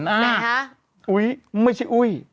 ไหนคะอุ้ยไม่ใช่อุ้ย